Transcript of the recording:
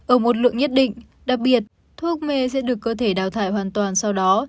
ở một lượng nhất định đặc biệt thuốc mê sẽ được cơ thể đào thải hoàn toàn sau đó